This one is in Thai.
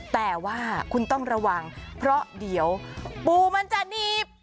แต่ว่าคุณต้องระวังเพราะเดี๋ยวปูมันจะหนีบ